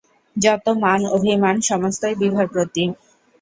যত মান-অভিমান সমস্তই বিভার প্রতি।